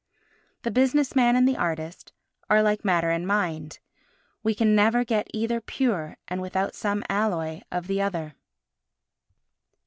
The business man and the artist are like matter and mind. We can never get either pure and without some alloy of the other.